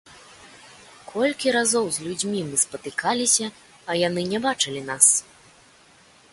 Колькі разоў з людзьмі мы спатыкаліся, а яны не бачылі нас!